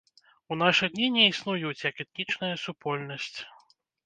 У нашы дні не існуюць як этнічная супольнасць.